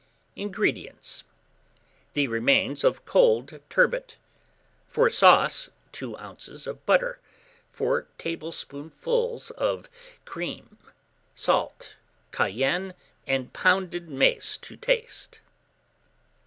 INGREDIENTS. The remains of cold turbot. For sauce, 2 oz. of butter, 4 tablespoonfuls of cream; salt, cayenne, and pounded mace to taste.